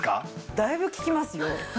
だいぶ効きますよ。